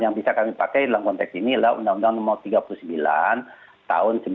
yang bisa kami pakai dalam konteks ini adalah undang undang nomor tiga puluh sembilan tahun seribu sembilan ratus sembilan puluh